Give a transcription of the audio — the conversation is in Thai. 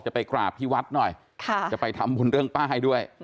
ไปกราบที่วัดหน่อยจะไปทำบุญเรื่องป้ายด้วย